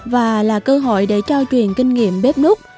và là cơ hội để trao truyền kinh nghiệm bếp núp